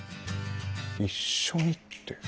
一緒にって？